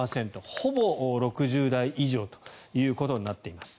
ほぼ６０代以上ということになっています。